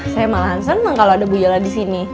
saya malah seneng kalau ada bu yola disini